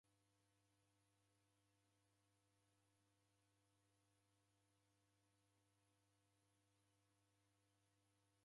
Malunji udabadilika rangu ufwanane na andu uko